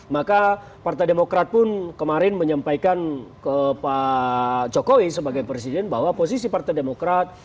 maka partai demokrat pun kemarin menyampaikan ke pak jokowi sebagai presiden bahwa posisi partai demokrat